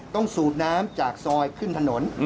สูบน้ำจากซอยขึ้นถนน